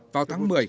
vào tháng một mươi